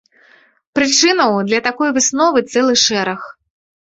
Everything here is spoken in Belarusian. Прычынаў для такой высновы цэлы шэраг.